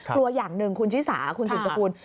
อย่างหนึ่งคุณชิสาคุณสืบสกุล